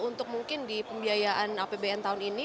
untuk mungkin di pembiayaan apbn tahun ini